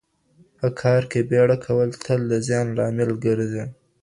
په کار کې بیړه کول تل د زیان لامل ګرځي.